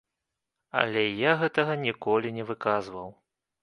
Але я гэтага ніколі не выказваў.